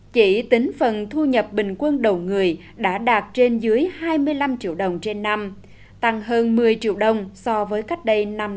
chỉ tính phần thu nhập bình quân đầu người đã đạt trên dưới hai mươi năm triệu đồng trên năm tăng hơn một mươi triệu đồng so với cách đây năm năm